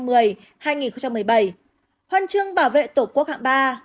hai nghìn một mươi hai nghìn một mươi bảy huần trường bảo vệ tổ quốc hạng ba